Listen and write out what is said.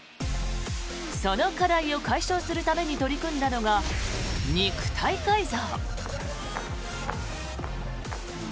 その課題を解消するために取り組んだのが肉体改造。